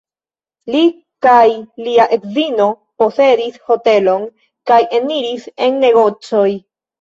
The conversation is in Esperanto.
Li kaj lia edzino posedis hotelon kaj eniris en negocoj.